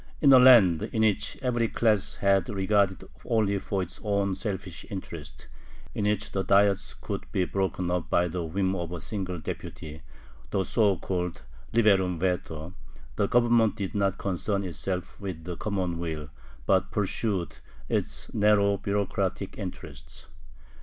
In a land in which every class had regard only for its own selfish interests, in which the Diets could be broken up by the whim of a single deputy (the so called liberum veto), the Government did not concern itself with the common weal, but pursued its narrow bureaucratic interests.